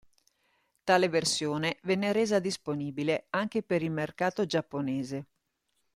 Tale versione venne resa disponibile anche per il mercato giapponese.